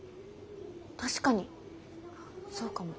確かにそうかも。